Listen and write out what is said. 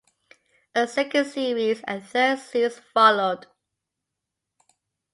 A second series and third series followed.